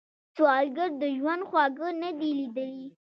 سوالګر د ژوند خواږه نه دي ليدلي